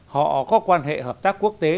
họ có quan hệ hợp tác quốc tế